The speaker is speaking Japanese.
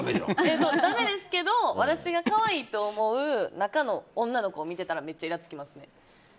だめですけど、私が可愛いと思う女の子を見てたらめっちゃイラつきますね。